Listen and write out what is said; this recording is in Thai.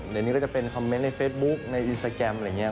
เดี๋ยวนี้ก็จะเป็นคอมเมนต์ในเฟซบุ๊คในอินสตาแกรมอะไรอย่างนี้